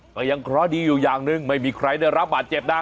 ก็ยังเคราะห์ดีอยู่อย่างหนึ่งไม่มีใครได้รับบาดเจ็บนะ